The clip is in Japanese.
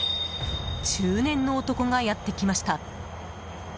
中年の男がやってきました。